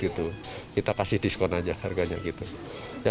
kita kasih diskon aja harganya gitu